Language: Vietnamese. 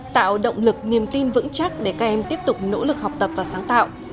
tạo động lực niềm tin vững chắc để các em tiếp tục nỗ lực học tập và sáng tạo